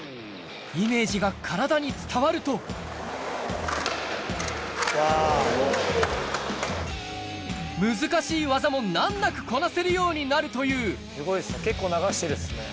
イメージが体に伝わると難しい技も難なくこなせるようになるというすごいですね結構流してる。